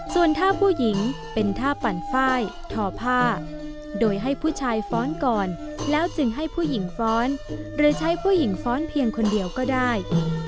ส่วนถ้าผู้หญิงเป็นท่าปั่นไฟล์ทอผ้าโดยให้ผู้ชายฟ้อนก่อนแล้วจึงให้ผู้หญิงฟ้อนหรือใช้ผู้หญิงฟ้อนเพียงคนเดียวก็ได้